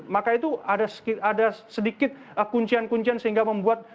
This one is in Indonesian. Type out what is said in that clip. maka itu ada sedikit kuncian kuncian sehingga membuat